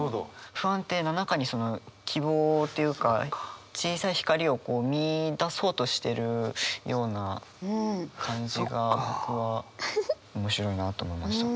不安定な中にその希望というか小さい光を見いだそうとしてるような感じが僕は面白いなと思いました。